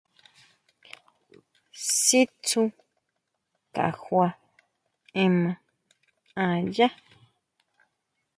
Sí tsú kajua ema a yá.